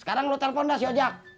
sekarang lo telpon dah si ojak